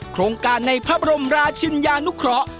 โครงการในพระบรมราชินยานุเคราะห์